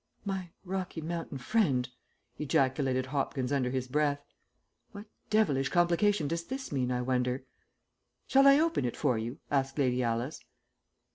"My Rocky Mountain friend!" ejaculated Hopkins under his breath. "What devilish complication does this mean, I wonder?" "Shall I open it for you?" asked Lady Alice.